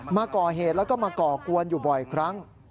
มาก่อเหตุแล้วก็มาก่อกวนอยู่บ่อยครั้ง